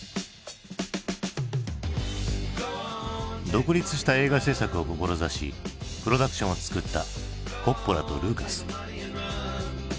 独立した映画製作を志しプロダクションを作ったコッポラとルーカス。